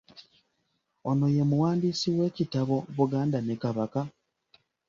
Ono ye muwandiisi w’ekitabo Buganda ne Kabaka?